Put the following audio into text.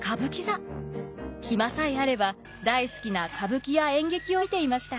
暇さえあれば大好きな歌舞伎や演劇を見ていました。